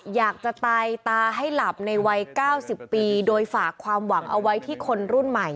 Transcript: อยากจะตายตาให้หลับในวัย๙๐ปีโดยฝากความหวังเอาไว้ที่คนรุ่นใหม่